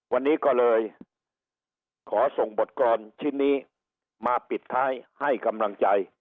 วันนี้ก็เลยขอส่งบทกรณ์ชิ้นนี้มาปิดท้ายให้กำลังใจ